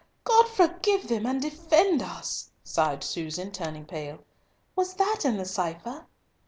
"God forgive them, and defend us!" sighed Susan, turning pale. "Was that in the cipher?"